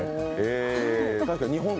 確かに。